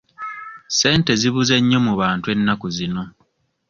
Ssente zibuze nnyo mu bantu ennaku zino.